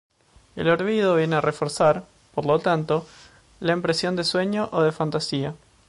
El olvido viene a reforzar, por tanto, la impresión de sueño o de fantasía.